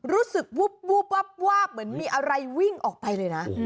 รู้สึกวูบวาบเหมือนมีอะไรวิ่งออกไปเลยนะ